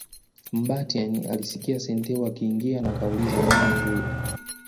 Mbatiany alisikia Santeu akiingia na akauliza nani huyo